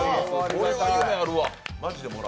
これは夢あるわ。